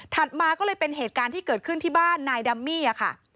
มาก็เลยเป็นเหตุการณ์ที่เกิดขึ้นที่บ้านนายดัมมี่ค่ะ